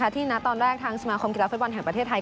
ที่ตอนแรกทางสมาคมกีฬาฟุตบอลแห่งประเทศไทย